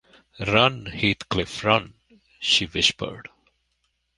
“Run, Heathcliff, run!” she whispered.